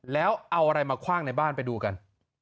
แล้วเอาอะไรมาคว่างในบ้านไปดูกัน